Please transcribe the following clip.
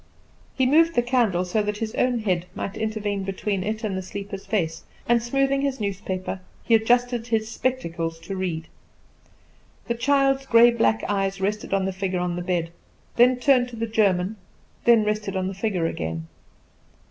He moved the candle so that his own head might intervene between it and the sleeper's face; and, smoothing his newspaper, he adjusted his spectacles to read. The child's grey black eyes rested on the figure on the bed, then turned to the German, then rested on the figure again.